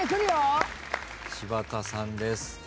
柴田さんです。